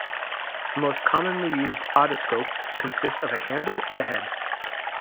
The most commonly used otoscopes consist of a handle and a head.